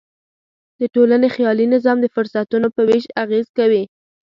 د ټولنې خیالي نظام د فرصتونو په وېش اغېز کوي.